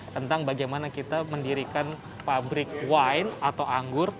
tentang bagaimana kita mendirikan pabrik wine atau anggur